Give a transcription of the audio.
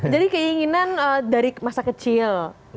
jadi keinginan dari masa kecil